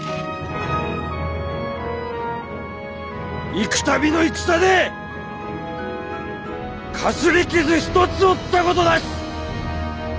幾たびの戦でかすり傷一つ負ったことなし！